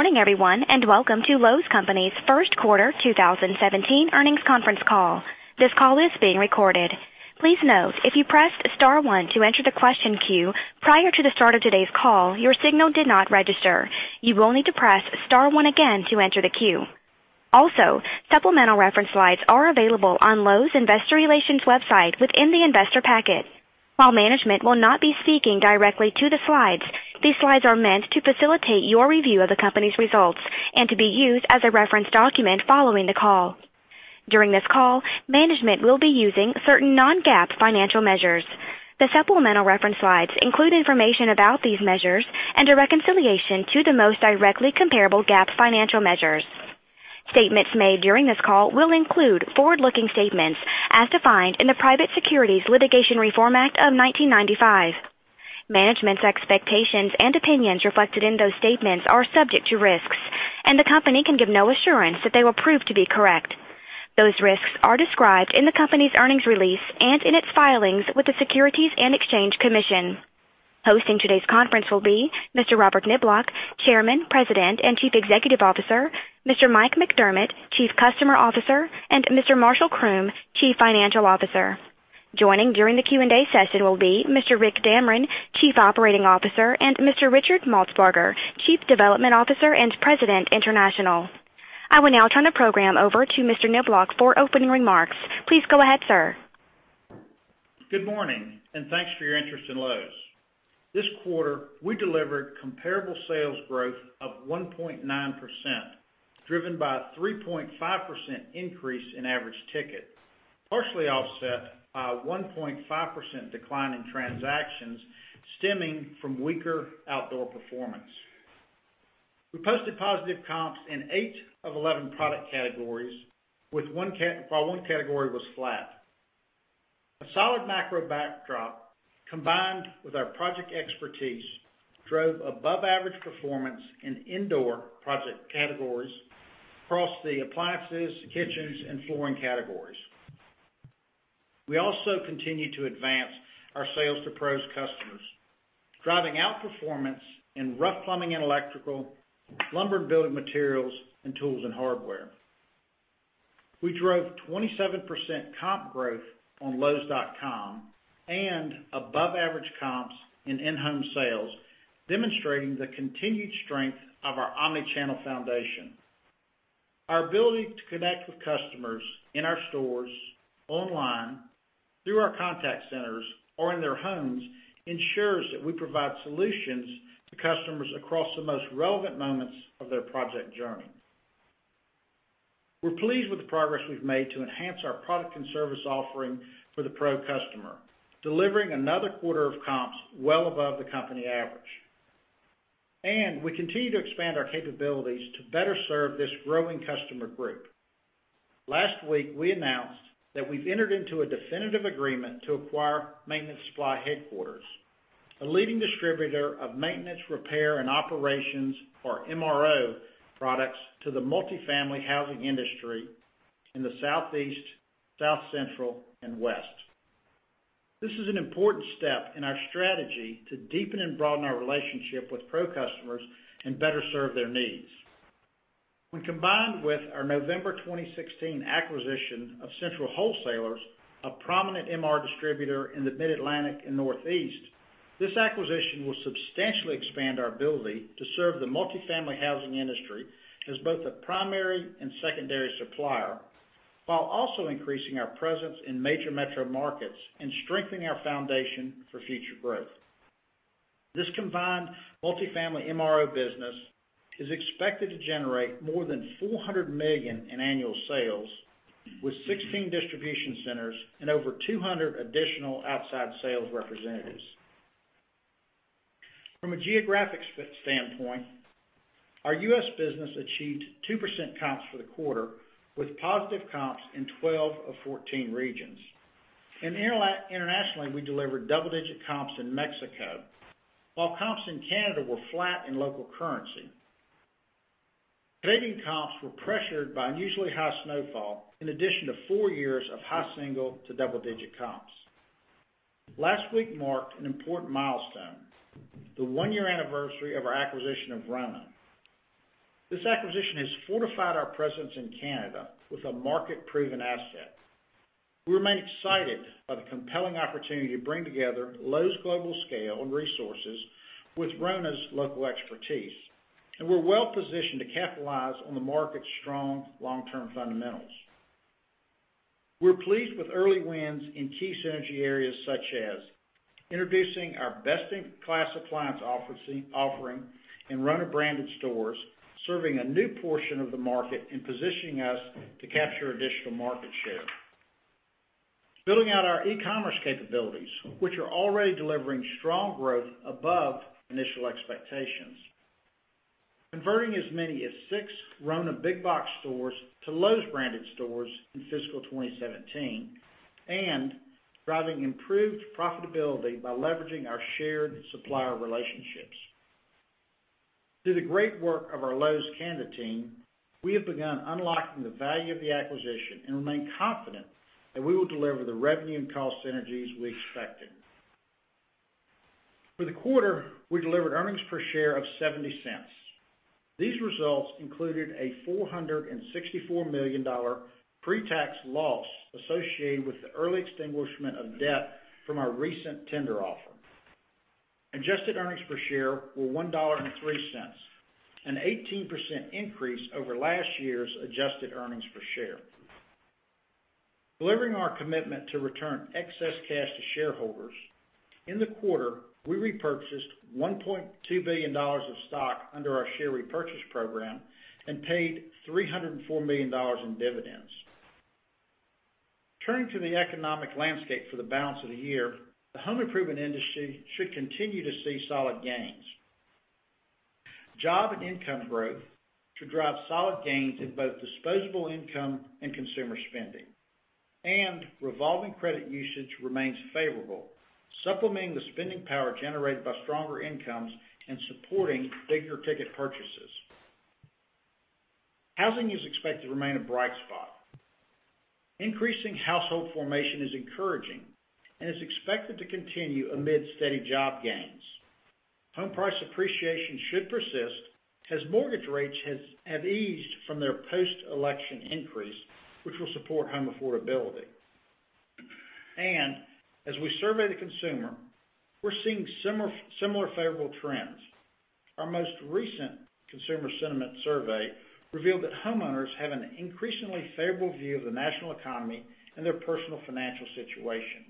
Morning, everyone, welcome to Lowe’s Companies first quarter 2017 earnings conference call. This call is being recorded. Please note, if you pressed star one to enter the question queue prior to the start of today’s call, your signal did not register. You will need to press star one again to enter the queue. Also, supplemental reference slides are available on Lowe’s Investor Relations website within the investor packet. While management will not be speaking directly to the slides, these slides are meant to facilitate your review of the company’s results and to be used as a reference document following the call. During this call, management will be using certain non-GAAP financial measures. The supplemental reference slides include information about these measures and a reconciliation to the most directly comparable GAAP financial measures. Statements made during this call will include forward-looking statements as defined in the Private Securities Litigation Reform Act of 1995. Management’s expectations and opinions reflected in those statements are subject to risks, the company can give no assurance that they will prove to be correct. Those risks are described in the company’s earnings release and in its filings with the Securities and Exchange Commission. Hosting today’s conference will be Mr. Robert Niblock, Chairman, President, and Chief Executive Officer, Mr. Mike McDermott, Chief Customer Officer, and Mr. Marshall Croom, Chief Financial Officer. Joining during the Q&A session will be Mr. Rick D. Damron, Chief Operating Officer, and Mr. Richard Maltsbarger, Chief Development Officer and President, International. I will now turn the program over to Mr. Niblock for opening remarks. Please go ahead, sir. Good morning, thanks for your interest in Lowe’s. This quarter, we delivered comparable sales growth of 1.9%, driven by a 3.5% increase in average ticket, partially offset by a 1.5% decline in transactions stemming from weaker outdoor performance. We posted positive comps in eight of 11 product categories, while one category was flat. A solid macro backdrop, combined with our project expertise, drove above-average performance in indoor project categories across the appliances, kitchens, and flooring categories. We also continue to advance our sales to pros customers, driving outperformance in rough plumbing and electrical, lumber and building materials, and tools and hardware. We drove 27% comp growth on lowes.com and above-average comps in in-home sales, demonstrating the continued strength of our omni-channel foundation. Our ability to connect with customers in our stores, online, through our contact centers, or in their homes ensures that we provide solutions to customers across the most relevant moments of their project journey. We’re pleased with the progress we’ve made to enhance our product and service offering for the pro customer, delivering another quarter of comps well above the company average. We continue to expand our capabilities to better serve this growing customer group. Last week, we announced that we’ve entered into a definitive agreement to acquire Maintenance Supply Headquarters, a leading distributor of maintenance, repair, and operations, or MRO products to the multifamily housing industry in the Southeast, South Central, and West. This is an important step in our strategy to deepen and broaden our relationship with pro customers and better serve their needs. When combined with our November 2016 acquisition of Central Wholesalers, a prominent MRO distributor in the Mid-Atlantic and Northeast, this acquisition will substantially expand our ability to serve the multifamily housing industry as both a primary and secondary supplier, while also increasing our presence in major metro markets and strengthening our foundation for future growth. This combined multifamily MRO business is expected to generate more than $400 million in annual sales, with 16 distribution centers and over 200 additional outside sales representatives. From a geographic standpoint, our U.S. business achieved 2% comps for the quarter, with positive comps in 12 of 14 regions. Internationally, we delivered double-digit comps in Mexico, while comps in Canada were flat in local currency. Canadian comps were pressured by unusually high snowfall in addition to four years of high single to double-digit comps. Last week marked an important milestone, the one-year anniversary of our acquisition of RONA. This acquisition has fortified our presence in Canada with a market-proven asset. We remain excited by the compelling opportunity to bring together Lowe's global scale and resources with RONA's local expertise, and we’re well positioned to capitalize on the market’s strong long-term fundamentals. We’re pleased with early wins in key synergy areas, such as introducing our best-in-class appliance offering in RONA branded stores, serving a new portion of the market and positioning us to capture additional market share. Building out our e-commerce capabilities, which are already delivering strong growth above initial expectations. Converting as many as six RONA big box stores to Lowe's branded stores in fiscal 2017 and driving improved profitability by leveraging our shared supplier relationships. Through the great work of our Lowe's Canada team, we have begun unlocking the value of the acquisition and remain confident that we will deliver the revenue and cost synergies we expected. For the quarter, we delivered earnings per share of $0.70. These results included a $464 million pre-tax loss associated with the early extinguishment of debt from our recent tender offer. Adjusted earnings per share were $1.03, an 18% increase over last year's adjusted earnings per share. Delivering our commitment to return excess cash to shareholders, in the quarter, we repurchased $1.2 billion of stock under our share repurchase program and paid $304 million in dividends. Turning to the economic landscape for the balance of the year, the home improvement industry should continue to see solid gains. Job and income growth should drive solid gains in both disposable income and consumer spending. Revolving credit usage remains favorable, supplementing the spending power generated by stronger incomes and supporting bigger ticket purchases. Housing is expected to remain a bright spot. Increasing household formation is encouraging and is expected to continue amid steady job gains. Home price appreciation should persist as mortgage rates have eased from their post-election increase, which will support home affordability. As we survey the consumer, we're seeing similar favorable trends. Our most recent consumer sentiment survey revealed that homeowners have an increasingly favorable view of the national economy and their personal financial situation.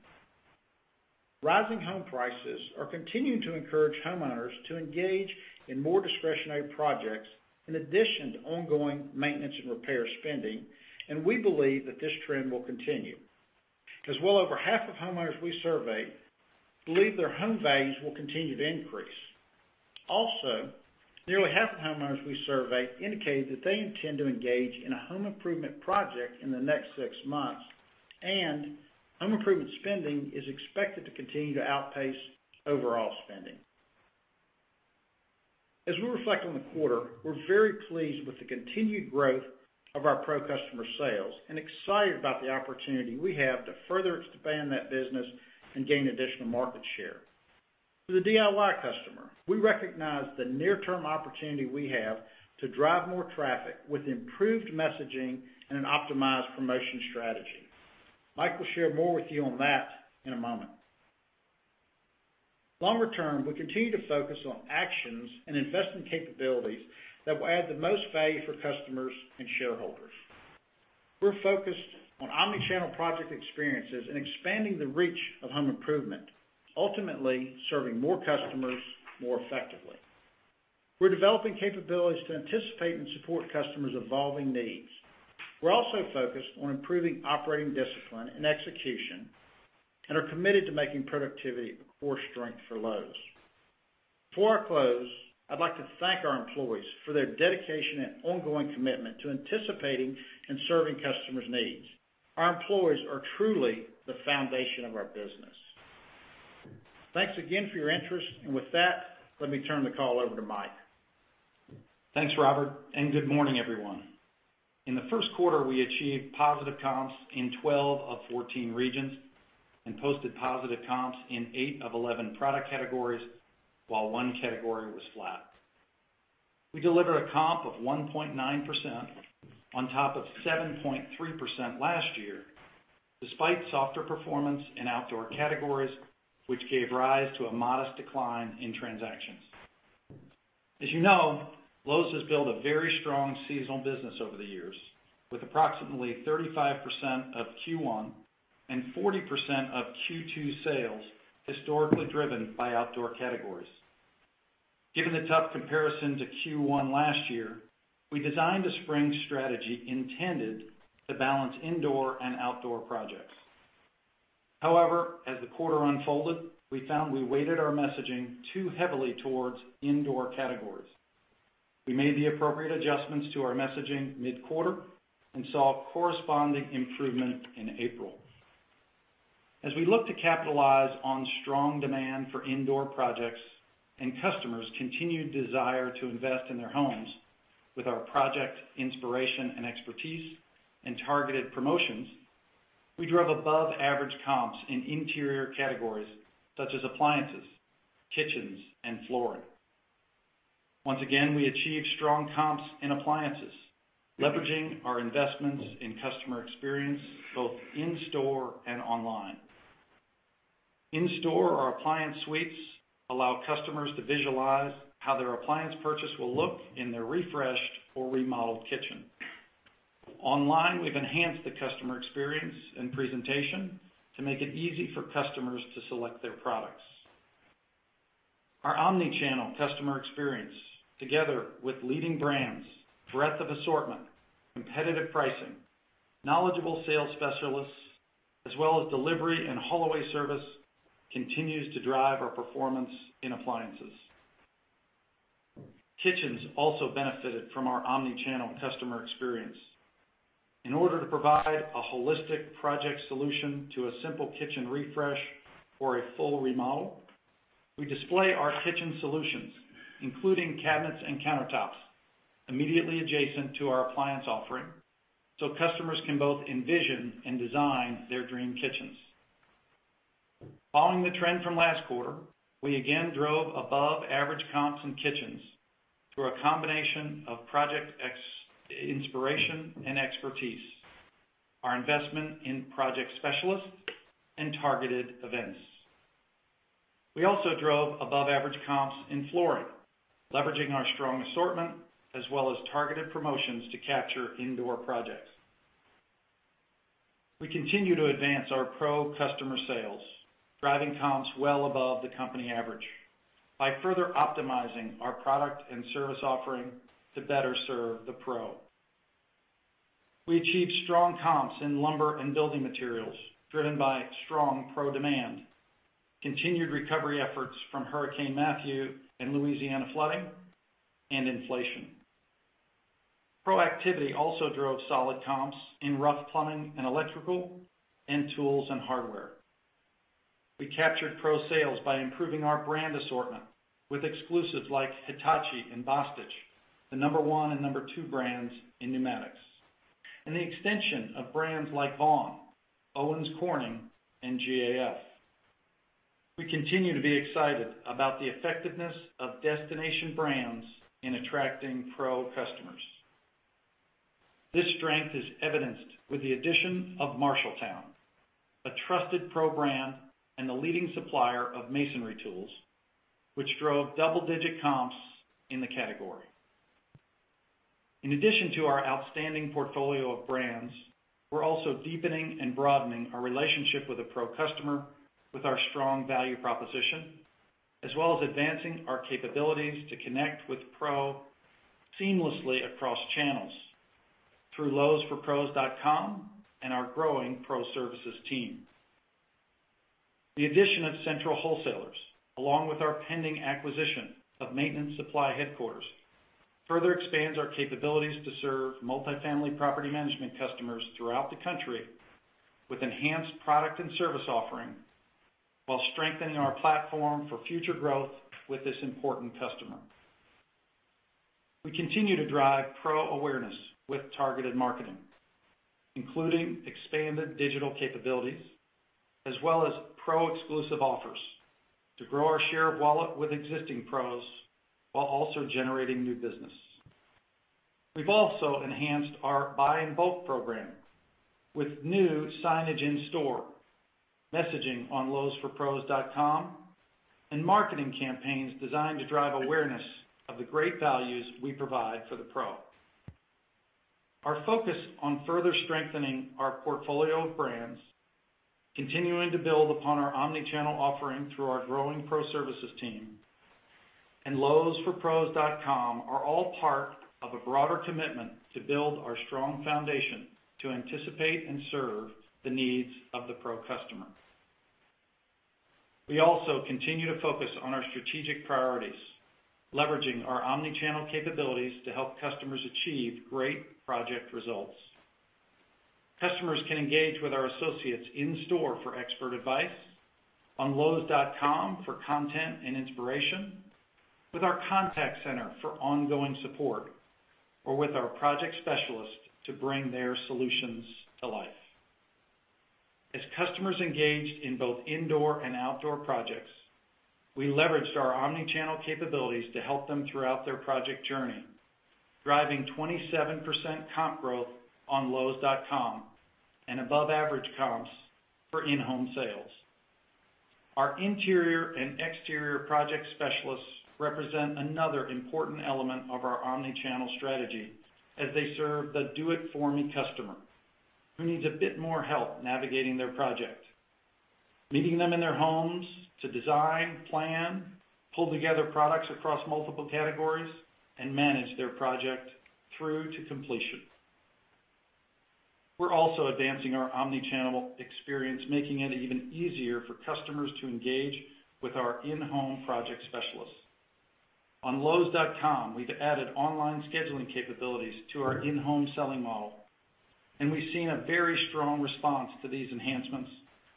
Rising home prices are continuing to encourage homeowners to engage in more discretionary projects, in addition to ongoing maintenance and repair spending, and we believe that this trend will continue, as well over half of homeowners we survey believe their home values will continue to increase. Nearly half of homeowners we surveyed indicated that they intend to engage in a home improvement project in the next six months, and home improvement spending is expected to continue to outpace overall spending. As we reflect on the quarter, we're very pleased with the continued growth of our pro customer sales and excited about the opportunity we have to further expand that business and gain additional market share. For the DIY customer, we recognize the near-term opportunity we have to drive more traffic with improved messaging and an optimized promotion strategy. Mike will share more with you on that in a moment. Longer term, we continue to focus on actions and invest in capabilities that will add the most value for customers and shareholders. We're focused on omni-channel project experiences and expanding the reach of home improvement, ultimately serving more customers more effectively. We're developing capabilities to anticipate and support customers' evolving needs. We're also focused on improving operating discipline and execution and are committed to making productivity a core strength for Lowe's. Before I close, I'd like to thank our employees for their dedication and ongoing commitment to anticipating and serving customers' needs. Our employees are truly the foundation of our business. Thanks again for your interest. With that, let me turn the call over to Mike. Thanks, Robert, and good morning, everyone. In the first quarter, we achieved positive comps in 12 of 14 regions and posted positive comps in 8 of 11 product categories, while one category was flat. We delivered a comp of 1.9% on top of 7.3% last year, despite softer performance in outdoor categories, which gave rise to a modest decline in transactions. As you know, Lowe's has built a very strong seasonal business over the years with approximately 35% of Q1 and 40% of Q2 sales historically driven by outdoor categories. Given the tough comparison to Q1 last year, we designed a spring strategy intended to balance indoor and outdoor projects. However, as the quarter unfolded, we found we weighted our messaging too heavily towards indoor categories. We made the appropriate adjustments to our messaging mid-quarter and saw a corresponding improvement in April. We look to capitalize on strong demand for indoor projects and customers' continued desire to invest in their homes with our project inspiration and expertise and targeted promotions, we drove above-average comps in interior categories such as appliances, kitchens, and flooring. Once again, we achieved strong comps in appliances, leveraging our investments in customer experience both in-store and online. In-store, our appliance suites allow customers to visualize how their appliance purchase will look in their refreshed or remodeled kitchen. Online, we've enhanced the customer experience and presentation to make it easy for customers to select their products. Our omni-channel customer experience, together with leading brands, breadth of assortment, competitive pricing, knowledgeable sales specialists, as well as delivery and haul away service, continues to drive our performance in appliances. Kitchens also benefited from our omni-channel customer experience. In order to provide a holistic project solution to a simple kitchen refresh or a full remodel, we display our kitchen solutions, including cabinets and countertops immediately adjacent to our appliance offering so customers can both envision and design their dream kitchens. Following the trend from last quarter, we again drove above-average comps in kitchens through a combination of project inspiration and expertise, our investment in project specialists and targeted events. We also drove above-average comps in flooring, leveraging our strong assortment as well as targeted promotions to capture indoor projects. We continue to advance our pro customer sales, driving comps well above the company average by further optimizing our product and service offering to better serve the pro. We achieved strong comps in lumber and building materials driven by strong pro demand, continued recovery efforts from Hurricane Matthew and Louisiana flooding and inflation. Proactivity also drove solid comps in rough plumbing and electrical, and tools and hardware. We captured pro sales by improving our brand assortment with exclusives like Hitachi and Bostitch, the number 1 and number 2 brands in pneumatics, and the extension of brands like Vaughan, Owens Corning and GAF. We continue to be excited about the effectiveness of destination brands in attracting pro customers. This strength is evidenced with the addition of Marshalltown, a trusted pro brand, and the leading supplier of masonry tools, which drove double-digit comps in the category. In addition to our outstanding portfolio of brands, we're also deepening and broadening our relationship with a pro customer with our strong value proposition, as well as advancing our capabilities to connect with pro seamlessly across channels through lowesforpros.com and our growing pro services team. The addition of Central Wholesalers, along with our pending acquisition of Maintenance Supply Headquarters, further expands our capabilities to serve multifamily property management customers throughout the country with enhanced product and service offering while strengthening our platform for future growth with this important customer. We continue to drive pro awareness with targeted marketing, including expanded digital capabilities, as well as pro exclusive offers to grow our share of wallet with existing pros while also generating new business. We've also enhanced our buy in bulk program with new signage in store, messaging on lowesforpros.com and marketing campaigns designed to drive awareness of the great values we provide for the pro. Our focus on further strengthening our portfolio of brands, continuing to build upon our omnichannel offering through our growing pro services team and lowesforpros.com are all part of a broader commitment to build our strong foundation to anticipate and serve the needs of the pro customer. We also continue to focus on our strategic priorities, leveraging our omnichannel capabilities to help customers achieve great project results. Customers can engage with our associates in store for expert advice, on lowes.com for content and inspiration, with our contact center for ongoing support or with our project specialist to bring their solutions to life. As customers engaged in both indoor and outdoor projects, we leveraged our omnichannel capabilities to help them throughout their project journey, driving 27% comp growth on lowes.com and above-average comps for in-home sales. Our interior and exterior project specialists represent another important element of our omnichannel strategy as they serve the do-it-for-me customer who needs a bit more help navigating their project. Meeting them in their homes to design, plan, pull together products across multiple categories, and manage their project through to completion. We are also advancing our omnichannel experience, making it even easier for customers to engage with our in-home project specialists. On lowes.com, we have added online scheduling capabilities to our in-home selling model, and we have seen a very strong response to these enhancements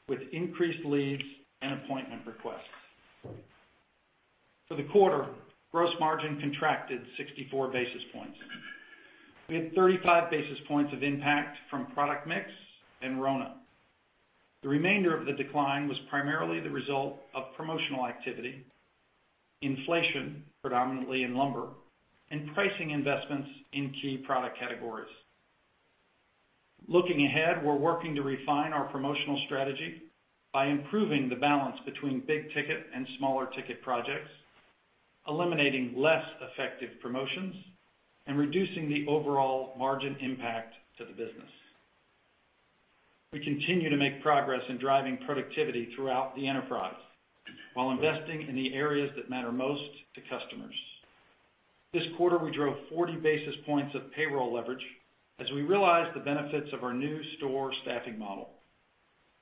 with increased leads and appointment requests. For the quarter, gross margin contracted 64 basis points. We had 35 basis points of impact from product mix and Rona. The remainder of the decline was primarily the result of promotional activity, inflation, predominantly in lumber, and pricing investments in key product categories. Looking ahead, we are working to refine our promotional strategy by improving the balance between big ticket and smaller ticket projects, eliminating less effective promotions, and reducing the overall margin impact to the business. We continue to make progress in driving productivity throughout the enterprise while investing in the areas that matter most to customers. This quarter, we drove 40 basis points of payroll leverage as we realized the benefits of our new store staffing model.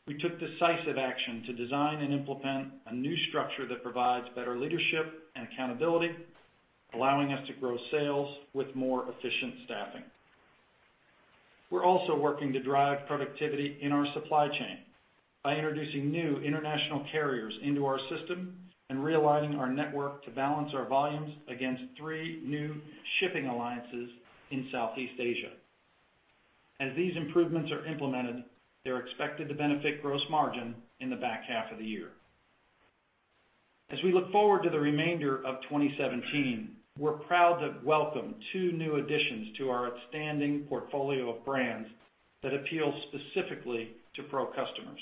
We took decisive action to design and implement a new structure that provides better leadership and accountability, allowing us to grow sales with more efficient staffing. We are also working to drive productivity in our supply chain by introducing new international carriers into our system and realigning our network to balance our volumes against three new shipping alliances in Southeast Asia. As these improvements are implemented, they are expected to benefit gross margin in the back half of the year. As we look forward to the remainder of 2017, we are proud to welcome two new additions to our outstanding portfolio of brands that appeal specifically to pro customers.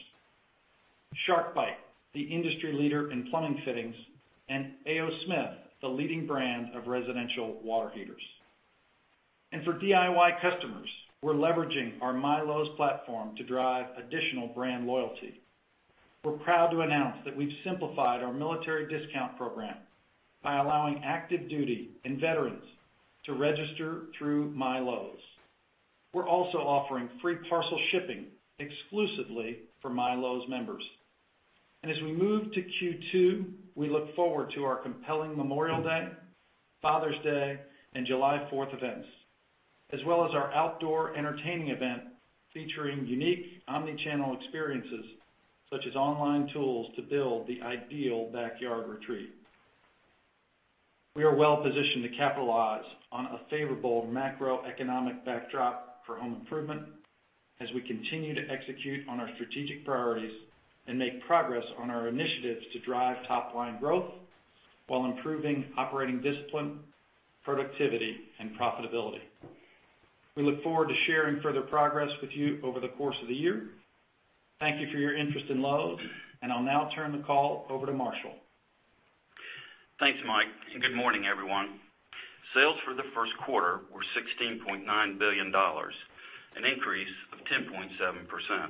SharkBite, the industry leader in plumbing fittings, and A. O. Smith, the leading brand of residential water heaters. For DIY customers, we are leveraging our MyLowe's platform to drive additional brand loyalty. We are proud to announce that we have simplified our military discount program by allowing active duty and veterans to register through MyLowe's. We are also offering free parcel shipping exclusively for MyLowe's members. As we move to Q2, we look forward to our compelling Memorial Day, Father's Day, and July 4th events, as well as our outdoor entertaining event featuring unique omnichannel experiences such as online tools to build the ideal backyard retreat. We are well positioned to capitalize on a favorable macroeconomic backdrop for home improvement as we continue to execute on our strategic priorities and make progress on our initiatives to drive top-line growth while improving operating discipline, productivity, and profitability. We look forward to sharing further progress with you over the course of the year. Thank you for your interest in Lowe's, and I will now turn the call over to Marshall. Thanks, Mike, and good morning, everyone. Sales for the first quarter were $16.9 billion, an increase of 10.7%.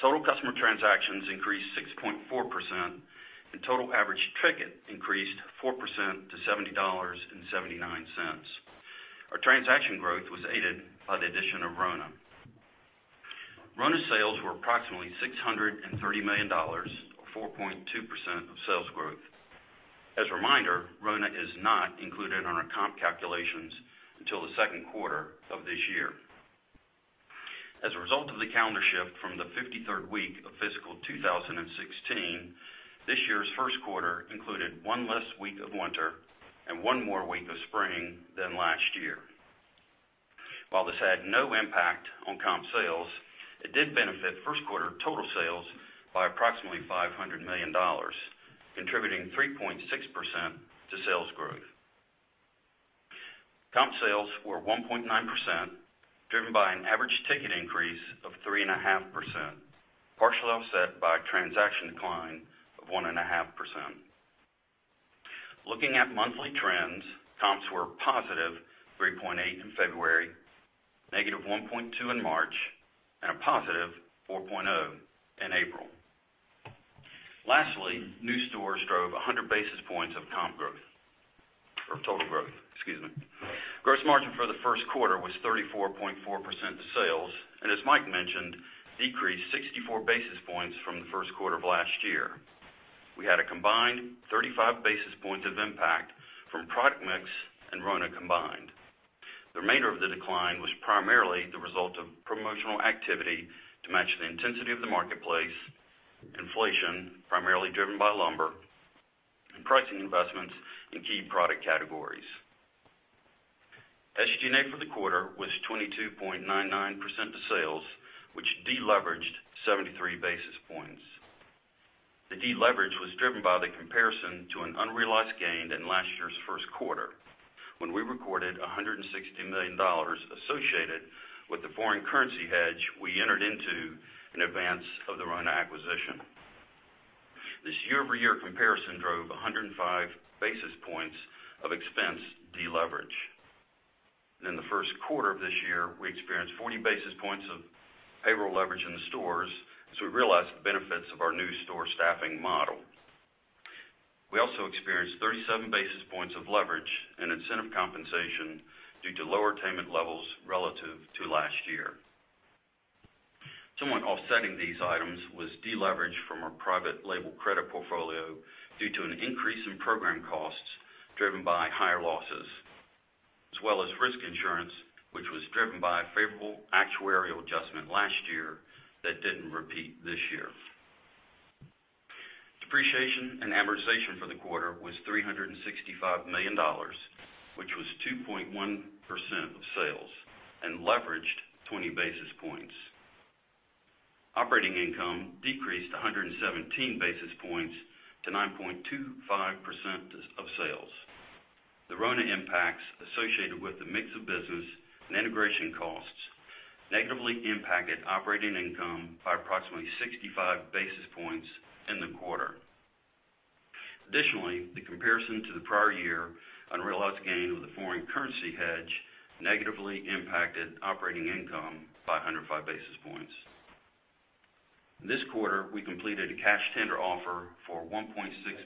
Total customer transactions increased 6.4%, and total average ticket increased 4% to $70.79. Our transaction growth was aided by the addition of RONA. RONA sales were approximately $630 million, or 4.2% of sales growth. As a reminder, RONA is not included on our comp calculations until the second quarter of this year. As a result of the calendar shift from the 53rd week of fiscal 2016, this year's first quarter included one less week of winter and one more week of spring than last year. While this had no impact on comp sales, it did benefit first quarter total sales by approximately $500 million, contributing 3.6% to sales growth. Comp sales were 1.9%, driven by an average ticket increase of 3.5%, partially offset by a transaction decline of 1.5%. Looking at monthly trends, comps were positive 3.8 in February, negative 1.2 in March, and a positive 4.0 in April. Lastly, new stores drove 100 basis points of comp growth or total growth. Excuse me. Gross margin for the first quarter was 34.4% to sales, and as Mike mentioned, decreased 64 basis points from the first quarter of last year. We had a combined 35 basis points of impact from product mix and RONA combined. The remainder of the decline was primarily the result of promotional activity to match the intensity of the marketplace, inflation, primarily driven by lumber, and pricing investments in key product categories. SG&A for the quarter was 22.99% to sales, which deleveraged 73 basis points. The deleverage was driven by the comparison to an unrealized gain in last year's first quarter when we recorded $160 million associated with the foreign currency hedge we entered into in advance of the RONA acquisition. This year-over-year comparison drove 105 basis points of expense deleverage. In the first quarter of this year, we experienced 40 basis points of payroll leverage in the stores as we realized the benefits of our new store staffing model. We also experienced 37 basis points of leverage and incentive compensation due to lower attainment levels relative to last year. Somewhat offsetting these items was deleverage from our private label credit portfolio due to an increase in program costs driven by higher losses, as well as risk insurance, which was driven by a favorable actuarial adjustment last year that didn't repeat this year. Depreciation and amortization for the quarter was $365 million, which was 2.1% of sales and leveraged 20 basis points. Operating income decreased 117 basis points to 9.25% of sales. The RONA impacts associated with the mix of business and integration costs negatively impacted operating income by approximately 65 basis points in the quarter. Additionally, the comparison to the prior year unrealized gain with the foreign currency hedge negatively impacted operating income by 105 basis points. In this quarter, we completed a cash tender offer for $1.6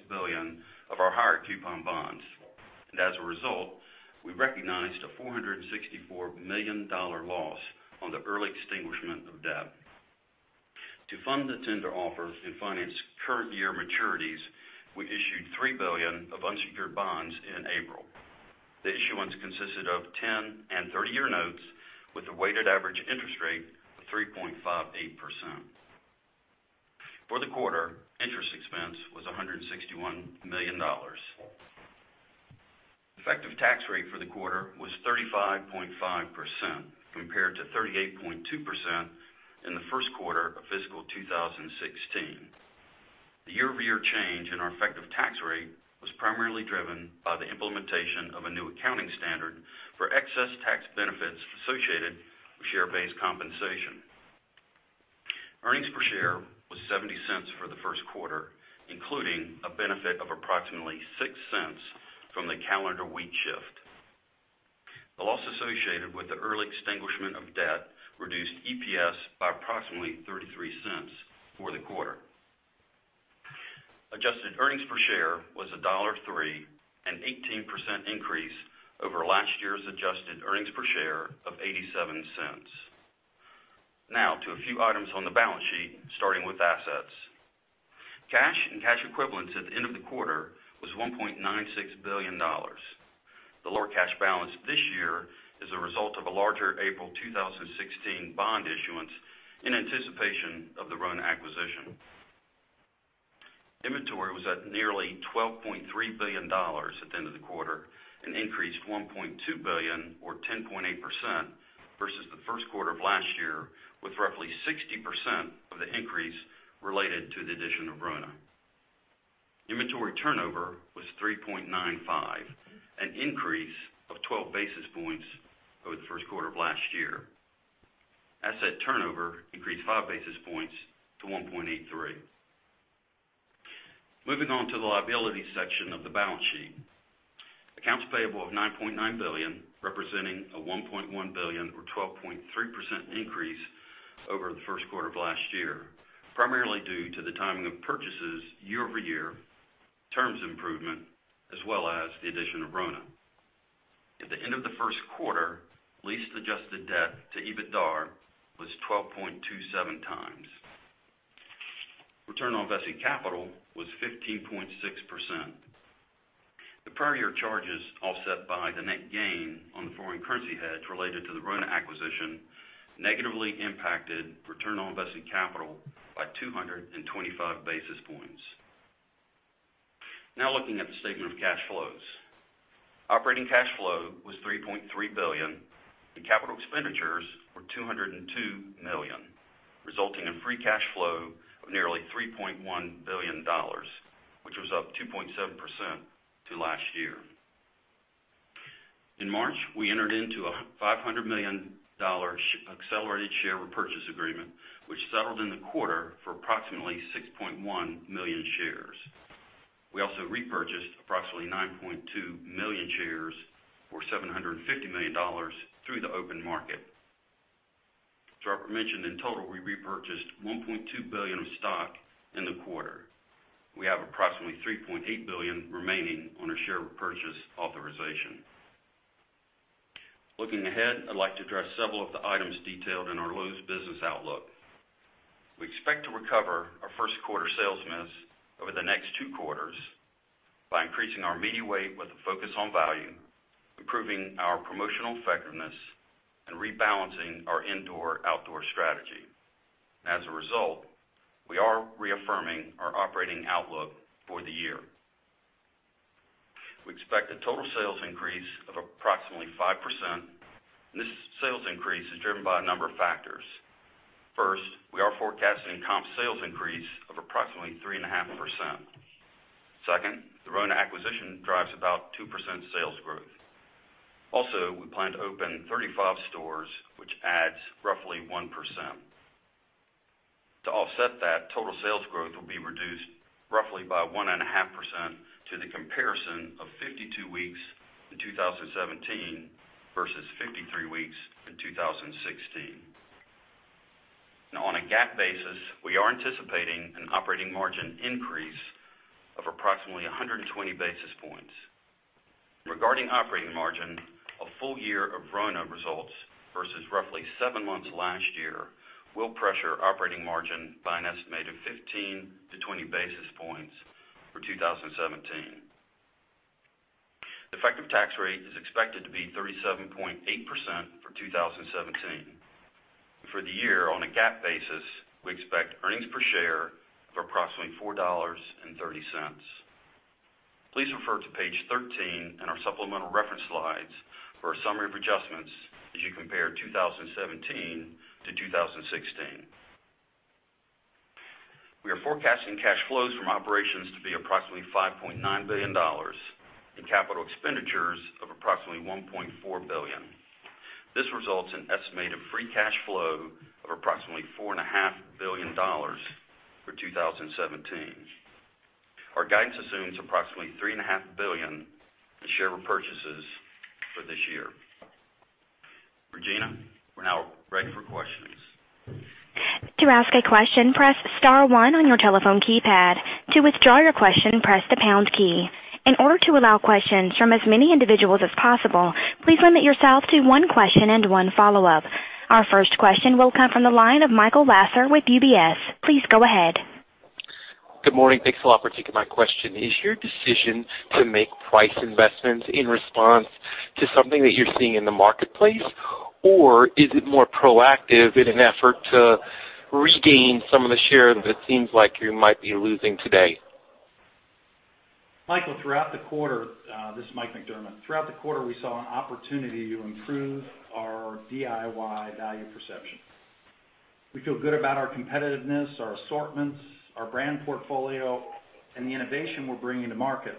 billion of our higher coupon bonds. As a result, we recognized a $464 million loss on the early extinguishment of debt. To fund the tender offer and finance current year maturities, we issued $3 billion of unsecured bonds in April. The issuance consisted of 10 and 30-year notes with a weighted average interest rate of 3.58%. For the quarter, interest expense was $161 million. Effective tax rate for the quarter was 35.5%, compared to 38.2% in the first quarter of fiscal 2016. The year-over-year change in our effective tax rate was primarily driven by the implementation of a new accounting standard for excess tax benefits associated with share-based compensation. Earnings per share was $0.70 for the first quarter, including a benefit of approximately $0.06 from the calendar week shift. The loss associated with the early extinguishment of debt reduced EPS by approximately $0.33 for the quarter. Adjusted earnings per share was $1.03, an 18% increase over last year's adjusted earnings per share of $0.87. To a few items on the balance sheet, starting with assets. Cash and cash equivalents at the end of the quarter was $1.96 billion. The lower cash balance this year is a result of a larger April 2016 bond issuance in anticipation of the Rona acquisition. Inventory was at nearly $12.3 billion at the end of the quarter, and increased $1.2 billion or 10.8% versus the first quarter of last year, with roughly 60% of the increase related to the addition of Rona. Inventory turnover was 3.95, an increase of 12 basis points over the first quarter of last year. Asset turnover increased 5 basis points to 1.83. Moving on to the liability section of the balance sheet. Accounts payable of $9.9 billion, representing a $1.1 billion or 12.3% increase over the first quarter of last year, primarily due to the timing of purchases year-over-year, terms improvement, as well as the addition of Rona. At the end of the first quarter, leased adjusted debt to EBITDA was 2.27 times. Return on invested capital was 15.6%. The prior year charges offset by the net gain on the foreign currency hedge related to the Rona acquisition negatively impacted return on invested capital by 225 basis points. Looking at the statement of cash flows. Operating cash flow was $3.3 billion and capital expenditures were $202 million, resulting in free cash flow of nearly $3.1 billion, which was up 2.7% to last year. In March, we entered into a $500 million accelerated share repurchase agreement, which settled in the quarter for approximately 6.1 million shares. We also repurchased approximately 9.2 million shares for $750 million through the open market. As I mentioned, in total, we repurchased $1.2 billion of stock in the quarter. We have approximately $3.8 billion remaining on our share repurchase authorization. Looking ahead, I'd like to address several of the items detailed in our Lowe's business outlook. We expect to recover our first quarter sales miss over the next two quarters by increasing our media weight with a focus on value, improving our promotional effectiveness, and rebalancing our indoor-outdoor strategy. As a result, we are reaffirming our operating outlook for the year. We expect a total sales increase of approximately 5%. This sales increase is driven by a number of factors. First, we are forecasting comp sales increase of approximately 3.5%. Second, the Rona acquisition drives about 2% sales growth. Also, we plan to open 35 stores, which adds roughly 1%. To offset that, total sales growth will be reduced roughly by 1.5% to the comparison of 52 weeks in 2017 versus 53 weeks in 2016. On a GAAP basis, we are anticipating an operating margin increase of approximately 120 basis points. Regarding operating margin, a full year of RONA results versus roughly seven months last year will pressure operating margin by an estimated 15-20 basis points for 2017. The effective tax rate is expected to be 37.8% for 2017. For the year on a GAAP basis, we expect earnings per share of approximately $4.30. Please refer to page 13 in our supplemental reference slides for a summary of adjustments as you compare 2017 to 2016. We are forecasting cash flows from operations to be approximately $5.9 billion and capital expenditures of approximately $1.4 billion. This results in estimated free cash flow of approximately $4.5 billion for 2017. Our guidance assumes approximately $3.5 billion in share repurchases for this year. Regina, we're now ready for questions. To ask a question, press star one on your telephone keypad. To withdraw your question, press the pound key. In order to allow questions from as many individuals as possible, please limit yourself to one question and one follow-up. Our first question will come from the line of Michael Lasser with UBS. Please go ahead. Good morning. Thanks a lot for taking my question. Is your decision to make price investments in response to something that you're seeing in the marketplace, or is it more proactive in an effort to regain some of the share that seems like you might be losing today? Michael, throughout the quarter. This is Mike McDermott. Throughout the quarter, we saw an opportunity to improve our DIY value perception. We feel good about our competitiveness, our assortments, our brand portfolio, and the innovation we're bringing to market.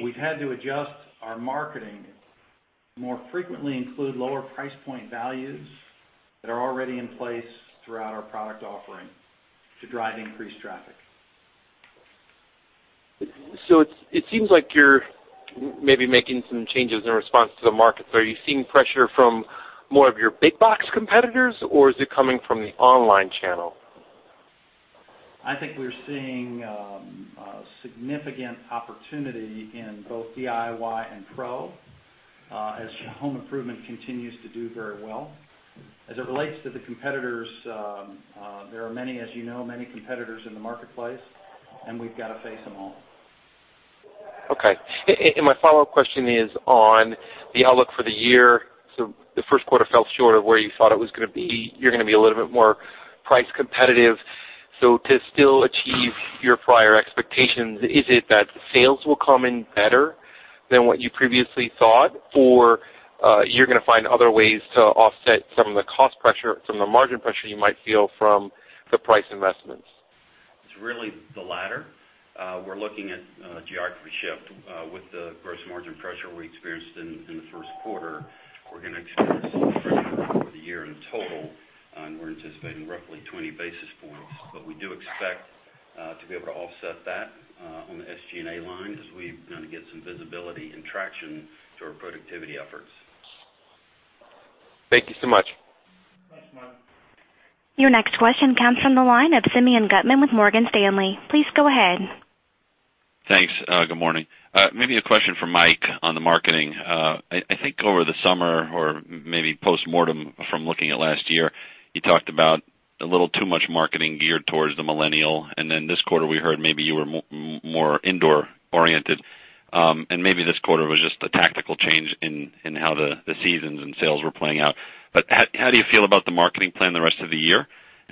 We've had to adjust our marketing to more frequently include lower price point values that are already in place throughout our product offering to drive increased traffic. It seems like you're maybe making some changes in response to the market. Are you seeing pressure from more of your big box competitors, or is it coming from the online channel? I think we're seeing significant opportunity in both DIY and Pro as home improvement continues to do very well. As it relates to the competitors, there are many, as you know, many competitors in the marketplace, and we've got to face them all. Okay. My follow-up question is on the outlook for the year. The first quarter fell short of where you thought it was going to be. You're going to be a little bit more price competitive. To still achieve your prior expectations, is it that sales will come in better than what you previously thought, or you're going to find other ways to offset some of the cost pressure from the margin pressure you might feel from the price investments? It's really the latter. We're looking at geography shift with the gross margin pressure we experienced in the first quarter. We're going to experience some pressure over the year in total, and we're anticipating roughly 20 basis points. We do expect to be able to offset that on the SG&A line as we begin to get some visibility and traction to our productivity efforts. Thank you so much. Thanks, Michael. Your next question comes from the line of Simeon Gutman with Morgan Stanley. Please go ahead. Thanks. Good morning. Maybe a question for Mike on the marketing. I think over the summer, or maybe postmortem from looking at last year, you talked about a little too much marketing geared towards the millennial. Then this quarter, we heard maybe you were more indoor oriented. Maybe this quarter was just a tactical change in how the seasons and sales were playing out. How do you feel about the marketing plan the rest of the year?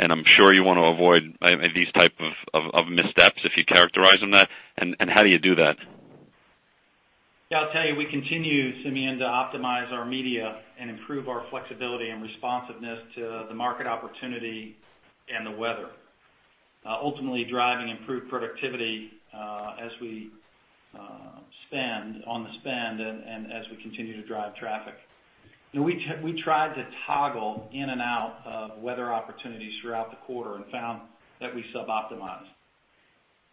I'm sure you want to avoid these type of missteps, if you characterize them that. How do you do that? I'll tell you, we continue, Simeon, to optimize our media and improve our flexibility and responsiveness to the market opportunity and the weather. Ultimately driving improved productivity as we spend on the spend and as we continue to drive traffic. We tried to toggle in and out of weather opportunities throughout the quarter and found that we sub-optimized.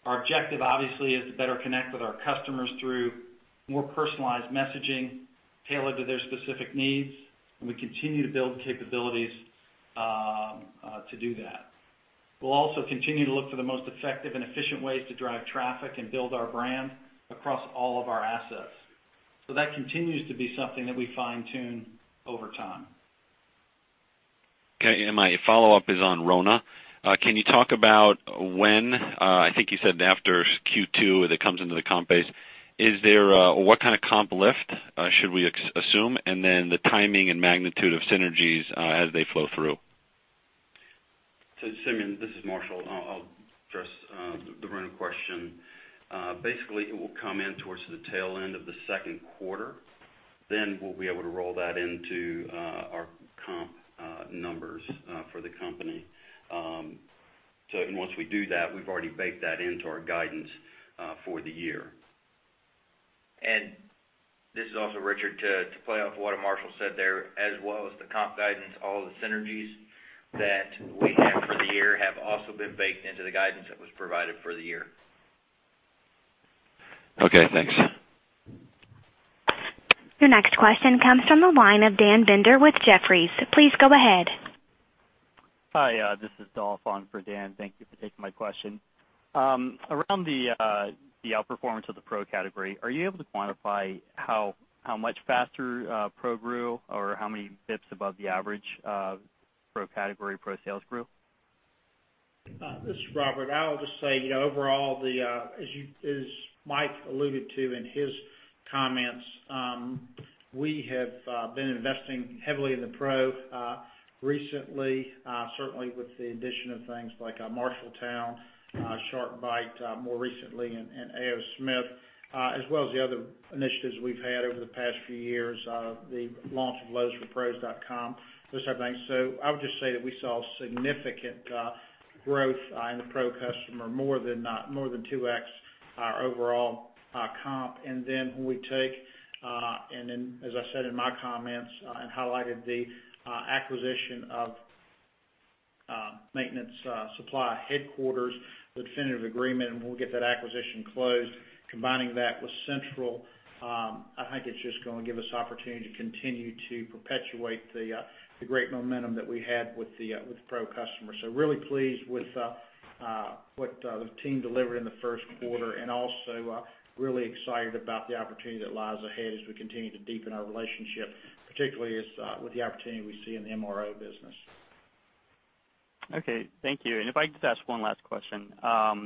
Our objective, obviously, is to better connect with our customers through more personalized messaging tailored to their specific needs, and we continue to build the capabilities to do that. We'll also continue to look for the most effective and efficient ways to drive traffic and build our brand across all of our assets. That continues to be something that we fine-tune over time. My follow-up is on Rona. Can you talk about I think you said after Q2 that comes into the comp base. What kind of comp lift should we assume? The timing and magnitude of synergies as they flow through. Simeon, this is Marshall. I'll address the Rona question. It will come in towards the tail end of the second quarter, we'll be able to roll that into our comp numbers for the company. Once we do that, we've already baked that into our guidance for the year. This is also Richard. To play off what Marshall said there, as well as the comp guidance, all of the synergies that we have for the year have also been baked into the guidance that was provided for the year. Okay, thanks. Your next question comes from the line of Dan Binder with Jefferies. Please go ahead. Hi, this is Dahl on for Dan. Thank you for taking my question. Around the outperformance of the Pro category, are you able to quantify how much faster Pro grew or how many pips above the average Pro category Pro sales grew? This is Robert. I'll just say overall, as Mike alluded to in his comments, we have been investing heavily in the Pro recently certainly with the addition of things like Marshalltown, SharkBite more recently, and A.O. Smith as well as the other initiatives we've had over the past few years, the launch of lowesforpros.com, those type of things. I would just say that we saw significant growth in the Pro customer, more than 2X our overall comp. As I said in my comments and highlighted the acquisition of Maintenance Supply Headquarters, the definitive agreement. We'll get that acquisition closed. Combining that with Central, I think it's just going to give us opportunity to continue to perpetuate the great momentum that we had with the Pro customer. Really pleased with what the team delivered in the first quarter. Also really excited about the opportunity that lies ahead as we continue to deepen our relationship, particularly with the opportunity we see in the MRO business. Okay. Thank you. If I could just ask one last question. I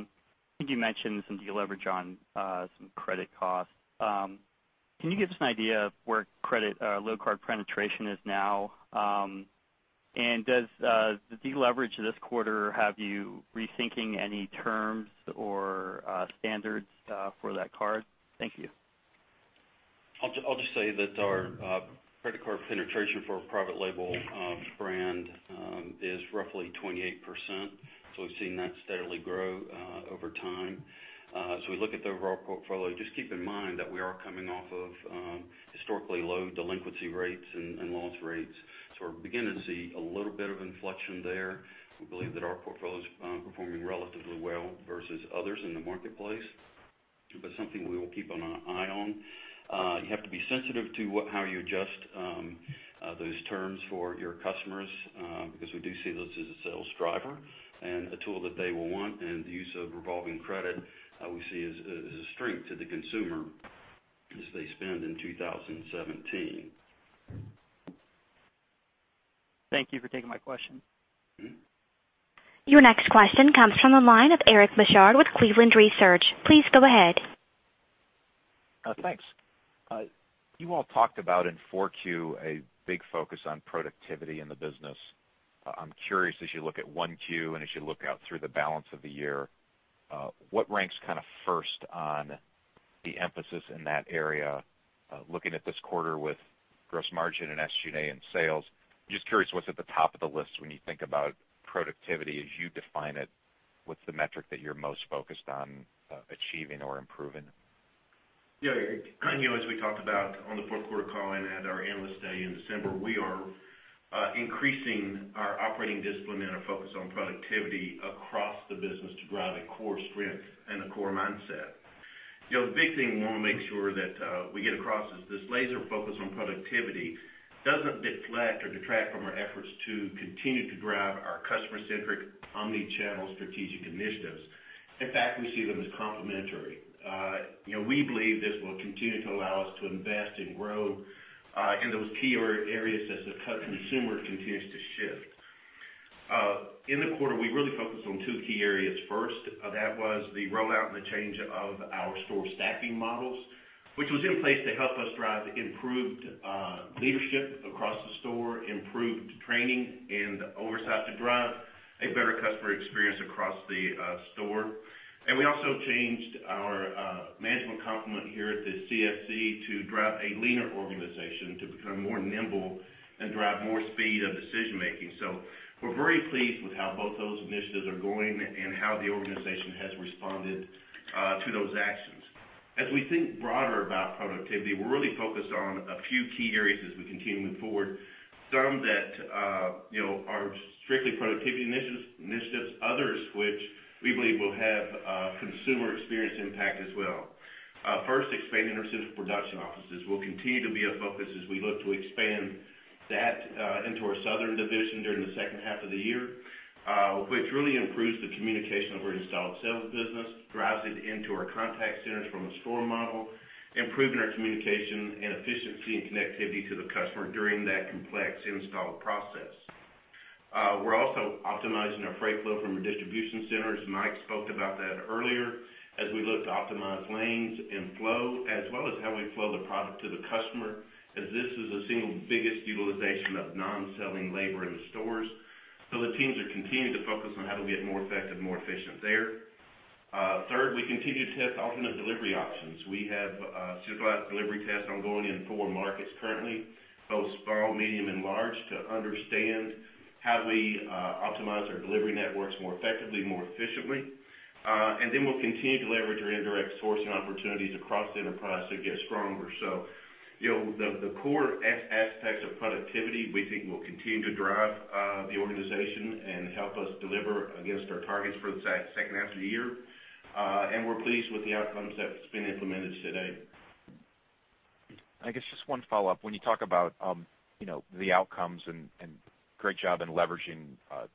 think you mentioned some deleverage on some credit costs. Can you give us an idea of where credit card penetration is now? Does the deleverage this quarter have you rethinking any terms or standards for that card? Thank you. I'll just say that our credit card penetration for our private label brand is roughly 28%. We've seen that steadily grow over time. As we look at the overall portfolio, just keep in mind that we are coming off of historically low delinquency rates and loss rates. We're beginning to see a little bit of inflection there. We believe that our portfolio's performing relatively well versus others in the marketplace, something we will keep an eye on. You have to be sensitive to how you adjust those terms for your customers because we do see those as a sales driver and a tool that they will want. The use of revolving credit we see as a strength to the consumer as they spend in 2017. Thank you for taking my question. Your next question comes from the line of Eric Bosshard with Cleveland Research. Please go ahead. Thanks. You all talked about in 4Q, a big focus on productivity in the business. I'm curious, as you look at 1Q and as you look out through the balance of the year, what ranks first on the emphasis in that area? Looking at this quarter with gross margin and SG&A and sales, just curious what's at the top of the list when you think about productivity as you define it. What's the metric that you're most focused on achieving or improving? Eric, as we talked about on the fourth quarter call and at our Analyst Day in December, we are increasing our operating discipline and our focus on productivity across the business to drive a core strength and a core mindset. The big thing we want to make sure that we get across is this laser focus on productivity doesn't deflect or detract from our efforts to continue to drive our customer centric omni-channel strategic initiatives. In fact, we see them as complementary. We believe this will continue to allow us to invest and grow in those key areas as the consumer continues to shift. In the quarter, we really focused on two key areas. First, that was the rollout and the change of our store staffing models, which was in place to help us drive improved leadership across the store, improved training and oversight to drive a better customer experience across the store. We also changed our management complement here at the CSC to drive a leaner organization to become more nimble and drive more speed of decision making. We're very pleased with how both those initiatives are going and how the organization has responded to those actions. As we think broader about productivity, we're really focused on a few key areas as we continue to move forward. Some that are strictly productivity initiatives, others which we believe will have consumer experience impact as well. First, expanding our centralized production offices will continue to be a focus as we look to expand that into our southern division during the second half of the year, which really improves the communication of our installed sales business, drives it into our contact centers from a store model, improving our communication and efficiency and connectivity to the customer during that complex install process. We're also optimizing our freight flow from our distribution centers, Mike spoke about that earlier, as we look to optimize lanes and flow as well as how we flow the product to the customer, as this is the single biggest utilization of non-selling labor in the stores. The teams are continuing to focus on how to get more effective, more efficient there. Third, we continue to test alternate delivery options. We have supervised delivery tests ongoing in four markets currently, both small, medium and large, to understand how we optimize our delivery networks more effectively, more efficiently. We'll continue to leverage our indirect sourcing opportunities across the enterprise to get stronger. The core aspects of productivity we think will continue to drive the organization and help us deliver against our targets for the second half of the year. We're pleased with the outcomes that's been implemented to date. I guess just one follow-up. When you talk about the outcomes and great job in leveraging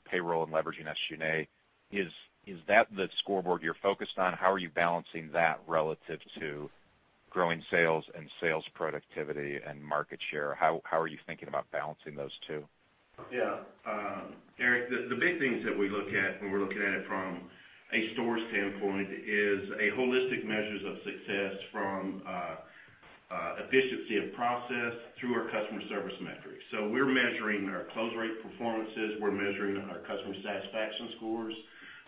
payroll and leveraging SG&A, is that the scoreboard you're focused on? How are you balancing that relative to growing sales and sales productivity and market share? How are you thinking about balancing those two? Yeah. Eric, the big things that we look at when we're looking at it from a store standpoint is a holistic measures of success from efficiency of process through our customer service metrics. We're measuring our close rate performances, we're measuring our customer satisfaction scores,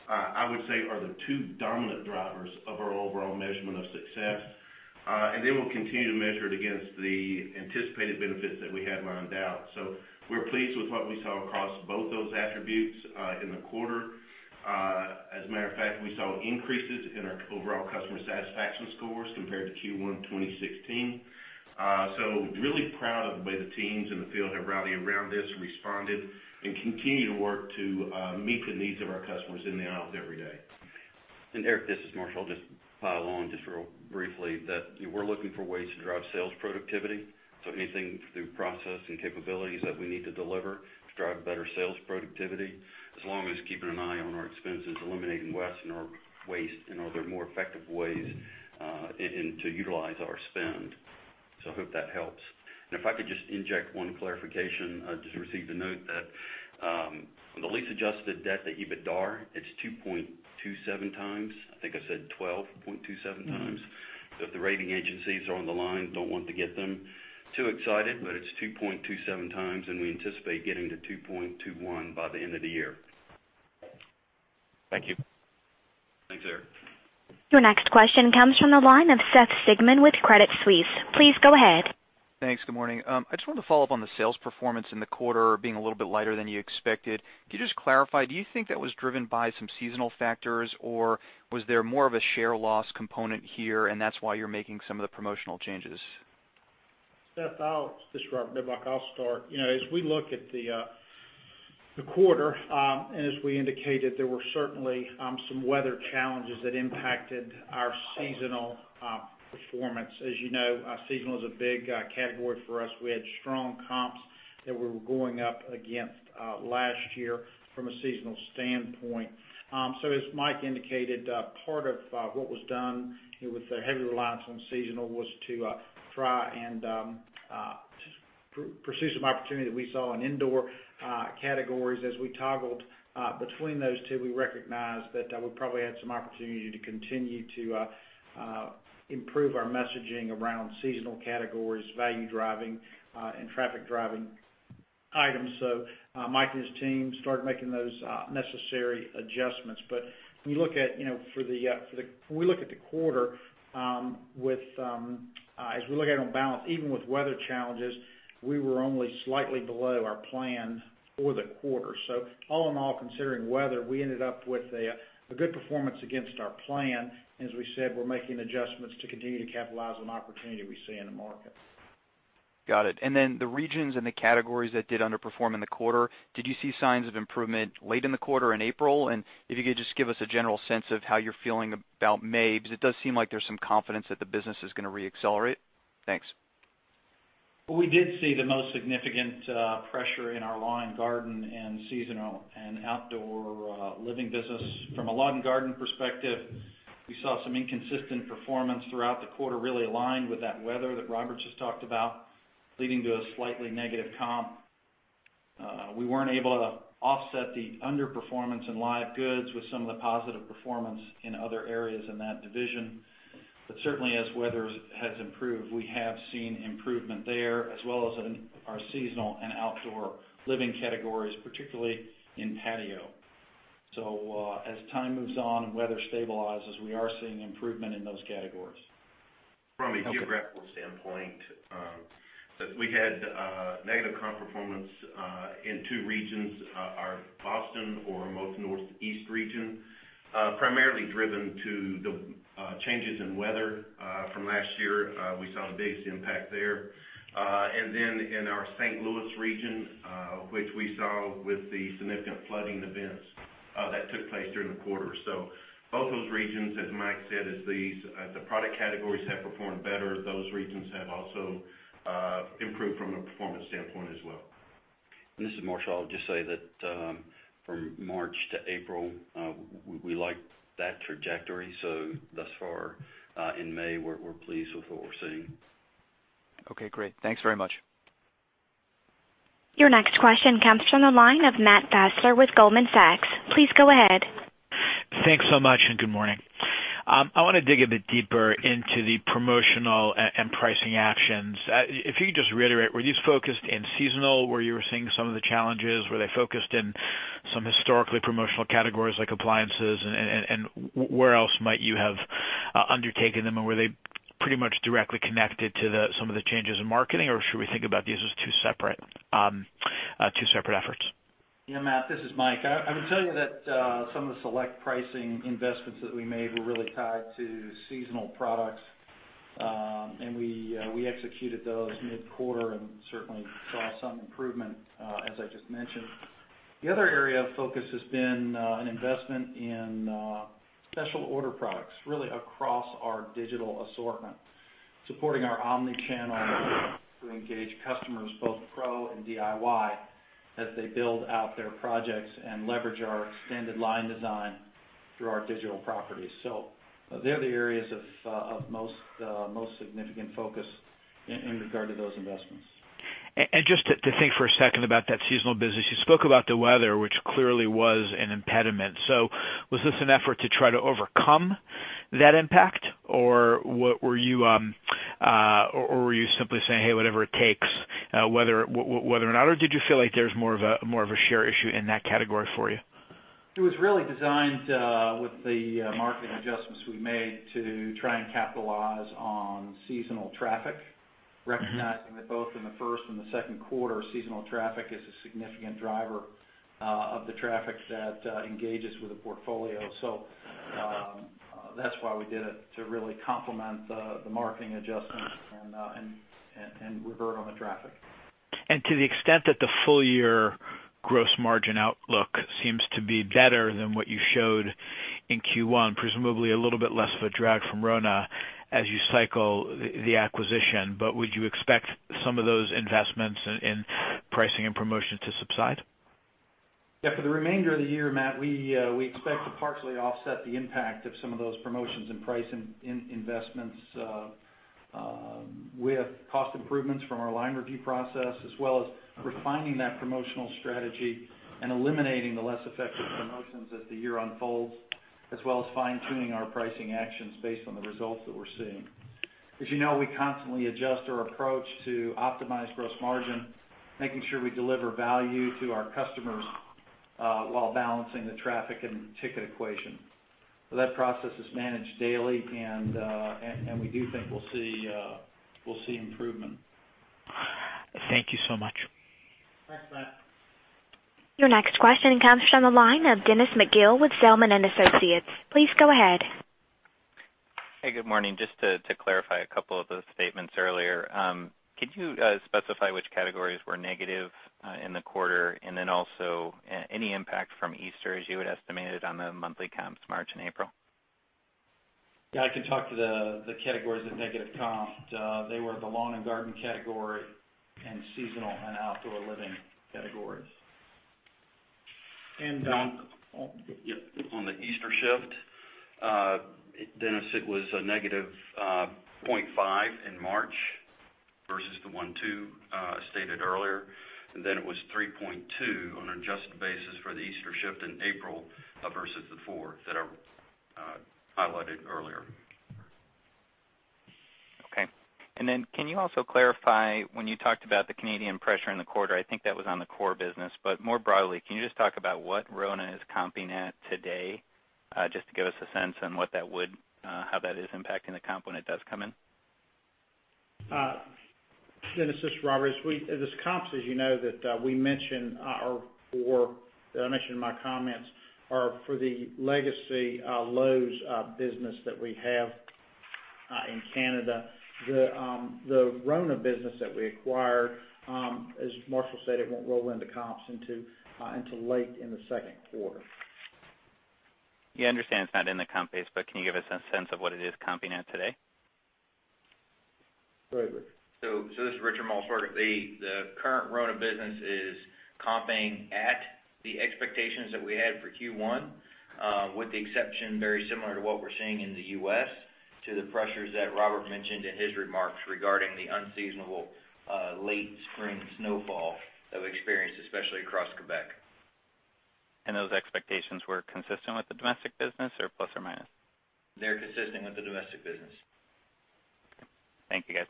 I would say are the two dominant drivers of our overall measurement of success. We'll continue to measure it against the anticipated benefits that we had lined out. We're pleased with what we saw across both those attributes in the quarter. As a matter of fact, we saw increases in our overall customer satisfaction scores compared to Q1 2016. Really proud of the way the teams in the field have rallied around this, responded, and continue to work to meet the needs of our customers in the aisles every day. Eric, this is Marshall. Just pile on just real briefly that we're looking for ways to drive sales productivity. Anything through process and capabilities that we need to deliver to drive better sales productivity, as long as keeping an eye on our expenses, eliminating waste and are there more effective ways to utilize our spend. I hope that helps. If I could just inject one clarification, I just received a note that the lease adjusted debt to EBITDA, it's 2.27 times. I think I said 12.27 times. The rating agencies are on the line, don't want to get them too excited, but it's 2.27 times, and we anticipate getting to 2.21 by the end of the year. Thank you. Thanks, Eric. Your next question comes from the line of Seth Sigman with Credit Suisse. Please go ahead. Thanks. Good morning. I just wanted to follow up on the sales performance in the quarter being a little bit lighter than you expected. Could you just clarify, do you think that was driven by some seasonal factors, or was there more of a share loss component here and that's why you're making some of the promotional changes? Seth, this is Robert Niblock, I'll start. As we look at the quarter, as we indicated, there were certainly some weather challenges that impacted our seasonal performance. As you know, seasonal is a big category for us. We had strong comps that we were going up against last year from a seasonal standpoint. As Mike indicated, part of what was done with the heavy reliance on seasonal was to try and pursue some opportunity that we saw in indoor categories. As we toggled between those two, we recognized that we probably had some opportunity to continue to improve our messaging around seasonal categories, value-driving, and traffic-driving items. Mike and his team started making those necessary adjustments. When we look at the quarter, as we look at it on balance, even with weather challenges, we were only slightly below our plan for the quarter. All in all, considering weather, we ended up with a good performance against our plan. As we said, we're making adjustments to continue to capitalize on opportunity we see in the market. Got it. Then the regions and the categories that did underperform in the quarter, did you see signs of improvement late in the quarter in April? If you could just give us a general sense of how you're feeling about May, because it does seem like there's some confidence that the business is going to reaccelerate. Thanks. We did see the most significant pressure in our lawn, garden, and seasonal and outdoor living business. From a lawn and garden perspective, we saw some inconsistent performance throughout the quarter, really aligned with that weather that Robert just talked about, leading to a slightly negative comp. We weren't able to offset the underperformance in live goods with some of the positive performance in other areas in that division. Certainly as weather has improved, we have seen improvement there as well as in our seasonal and outdoor living categories, particularly in patio. As time moves on and weather stabilizes, we are seeing improvement in those categories. From a geographical standpoint, we had negative comp performance in two regions. Our Boston or most northeast region, primarily driven to the changes in weather from last year. We saw the biggest impact there. Then in our St. Louis region, which we saw with the significant flooding events that took place during the quarter. Both those regions, as Mike said, as the product categories have performed better, those regions have also improved from a performance standpoint as well. This is Marshall. I'll just say that from March to April, we liked that trajectory. Thus far in May, we're pleased with what we're seeing. Okay, great. Thanks very much. Your next question comes from the line of Matt Fassler with Goldman Sachs. Please go ahead. Thanks so much. Good morning. I want to dig a bit deeper into the promotional and pricing actions. If you could just reiterate, were these focused in seasonal, where you were seeing some of the challenges? Were they focused in some historically promotional categories like appliances? Where else might you have undertaken them, were they pretty much directly connected to some of the changes in marketing, or should we think about these as two separate efforts? Yeah, Matt, this is Mike. I would tell you that some of the select pricing investments that we made were really tied to seasonal products. We executed those mid-quarter and certainly saw some improvement as I just mentioned. The other area of focus has been an investment in special order products, really across our digital assortment, supporting our omni-channel to engage customers, both pro and DIY, as they build out their projects and leverage our extended line design through our digital properties. They're the areas of most significant focus in regard to those investments. Just to think for a second about that seasonal business, you spoke about the weather, which clearly was an impediment. Was this an effort to try to overcome that impact? Were you simply saying, "Hey, whatever it takes," whether or not? Did you feel like there's more of a share issue in that category for you? It was really designed with the marketing adjustments we made to try and capitalize on seasonal traffic. Recognizing that both in the first and the second quarter, seasonal traffic is a significant driver of the traffic that engages with the portfolio. That's why we did it to really complement the marketing adjustments and revert on the traffic. To the extent that the full year gross margin outlook seems to be better than what you showed in Q1, presumably a little bit less of a drag from RONA as you cycle the acquisition. Would you expect some of those investments in pricing and promotion to subside? Yeah, for the remainder of the year, Matt, we expect to partially offset the impact of some of those promotions and pricing investments with cost improvements from our line review process. As well as refining that promotional strategy and eliminating the less effective promotions as the year unfolds. As well as fine-tuning our pricing actions based on the results that we're seeing. As you know, we constantly adjust our approach to optimize gross margin, making sure we deliver value to our customers while balancing the traffic and ticket equation. That process is managed daily, and we do think we'll see improvement. Thank you so much. Thanks, Matt. Your next question comes from the line of Dennis McGill with Zelman & Associates. Please go ahead. Hey, good morning. Just to clarify a couple of those statements earlier. Could you specify which categories were negative in the quarter? Also, any impact from Easter as you had estimated on the monthly comps March and April? Yeah, I can talk to the categories of negative comps. They were the lawn and garden category and seasonal and outdoor living categories. On the Easter shift, Dennis, it was a negative 0.5% in March versus the 1.2% stated earlier. It was 3.2% on an adjusted basis for the Easter shift in April versus the four that I highlighted earlier. Okay. Can you also clarify, when you talked about the Canadian pressure in the quarter, I think that was on the core business, but more broadly, can you just talk about what Rona is comping at today? Just to give us a sense on how that is impacting the comp when it does come in. Dennis, this is Robert. Those comps as you know that I mentioned in my comments, are for the legacy Lowe's business that we have in Canada. The Rona business that we acquired, as Marshall said, it won't roll into comps until late in the second quarter. Yeah, I understand it's not in the comp base, can you give us a sense of what it is comping at today? Go ahead, Richard. This is Richard Maltsbarger. The current RONA business is comping at the expectations that we had for Q1 with the exception very similar to what we're seeing in the U.S. to the pressures that Robert mentioned in his remarks regarding the unseasonable late spring snowfall that we experienced, especially across Quebec. Those expectations were consistent with the domestic business or plus or minus? They're consistent with the domestic business. Thank you, guys.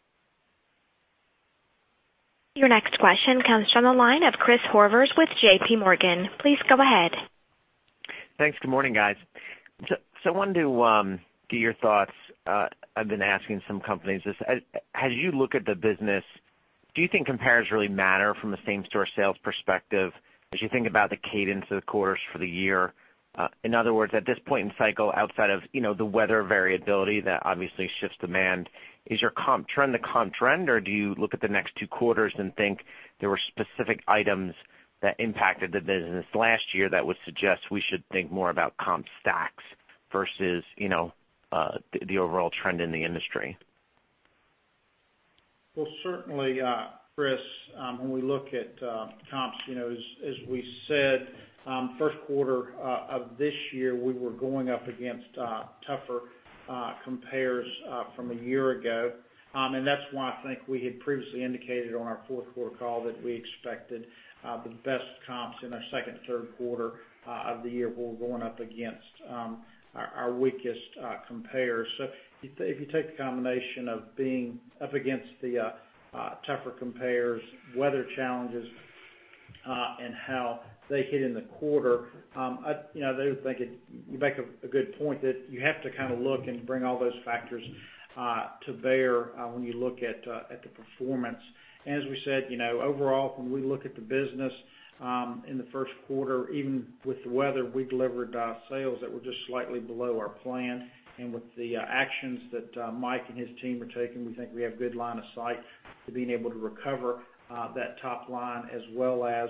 Your next question comes from the line of Christopher Horvers with JP Morgan. Please go ahead. Thanks. Good morning, guys. I wanted to get your thoughts. I've been asking some companies this. As you look at the business, do you think compares really matter from a same-store sales perspective as you think about the cadence of the quarters for the year? In other words, at this point in cycle, outside of the weather variability that obviously shifts demand, is your comp trend the comp trend, or do you look at the next two quarters and think there were specific items that impacted the business last year that would suggest we should think more about comp stacks versus the overall trend in the industry? Certainly Chris, when we look at comps, as we said first quarter of this year, we were going up against tougher compares from a year ago. That's why I think we had previously indicated on our fourth quarter call that we expected the best comps in our second and third quarter of the year were going up against our weakest compares. If you take the combination of being up against the tougher compares, weather challenges, and how they hit in the quarter, I do think you make a good point that you have to look and bring all those factors to bear when you look at the performance. As we said, overall, when we look at the business in the first quarter, even with the weather, we delivered sales that were just slightly below our plan. With the actions that Mike and his team are taking, we think we have good line of sight to being able to recover that top line as well as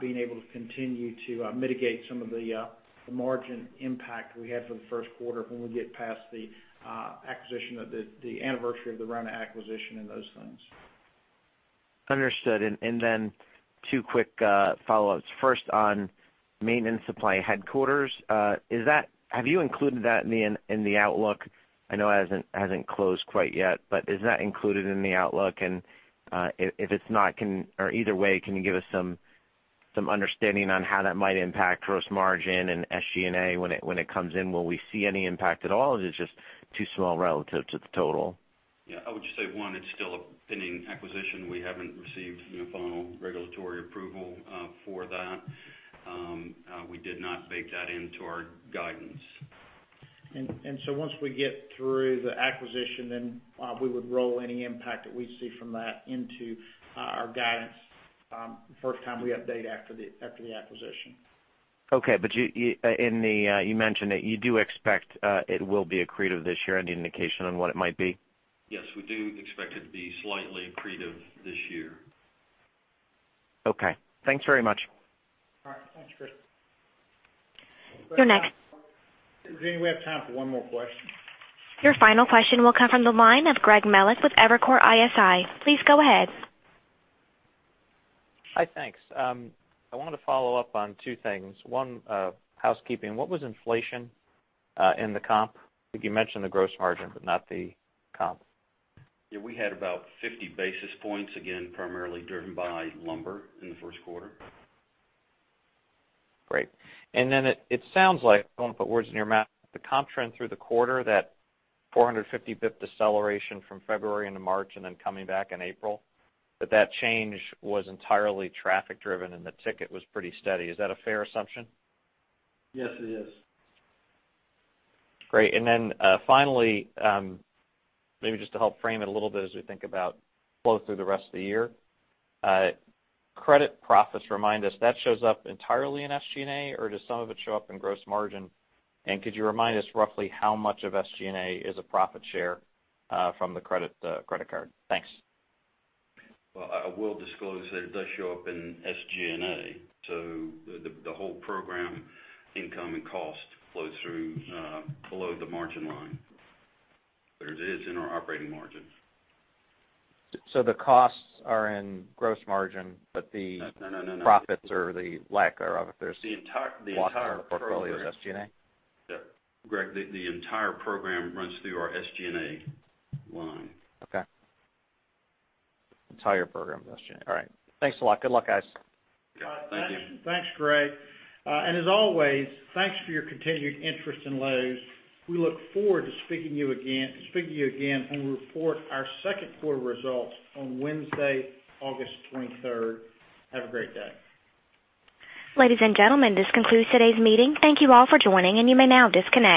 being able to continue to mitigate some of the margin impact we had for the first quarter when we get past the anniversary of the Rona acquisition and those things. Understood. Then two quick follow-ups. First on Maintenance Supply Headquarters. Have you included that in the outlook? I know it hasn't closed quite yet, but is that included in the outlook? If it's not or either way, can you give us some understanding on how that might impact gross margin and SG&A when it comes in? Will we see any impact at all, or is it just too small relative to the total? Yeah. I would just say, one, it's still a pending acquisition. We haven't received final regulatory approval for that. We did not bake that into our guidance. Once we get through the acquisition, we would roll any impact that we see from that into our guidance first time we update after the acquisition. Okay. You mentioned that you do expect it will be accretive this year. Any indication on what it might be? Yes, we do expect it to be slightly accretive this year. Okay. Thanks very much. All right. Thanks, Chris. Your next- Gene, we have time for one more question. Your final question will come from the line of Greg Melich with Evercore ISI. Please go ahead. Hi, thanks. I wanted to follow up on two things. One, housekeeping. What was inflation in the comp? I think you mentioned the gross margin, but not the comp. Yeah, we had about 50 basis points, again, primarily driven by lumber in the first quarter. Great. It sounds like, I don't want to put words in your mouth, the comp trend through the quarter, that 450 BP deceleration from February into March and then coming back in April, but that change was entirely traffic driven and the ticket was pretty steady. Is that a fair assumption? Yes, it is. Great. Finally, maybe just to help frame it a little bit as we think about flow through the rest of the year. Credit profits, remind us, that shows up entirely in SG&A, or does some of it show up in gross margin? Could you remind us roughly how much of SG&A is a profit share from the credit card? Thanks. I will disclose that it does show up in SG&A. The whole program income and cost flows through below the margin line. There it is in our operating margins. The costs are in gross margin, but. No. Profits or the lack thereof, if. The entire program. Loss on the portfolio is SG&A? Yep. Greg, the entire program runs through our SG&A line. Okay. Entire program is SG&A. All right. Thanks a lot. Good luck, guys. Yeah. Thank you. Thanks, Greg. As always, thanks for your continued interest in Lowe's. We look forward to speaking to you again when we report our second quarter results on Wednesday, August 23rd. Have a great day. Ladies and gentlemen, this concludes today's meeting. Thank you all for joining, and you may now disconnect.